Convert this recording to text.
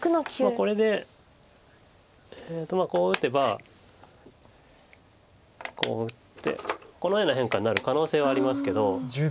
これでこう打てばこう打ってこのような変化になる可能性はありますけど。